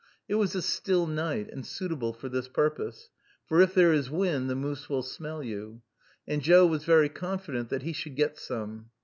It was a still night, and suitable for this purpose, for if there is wind, the moose will smell you, and Joe was very confident that he should get some.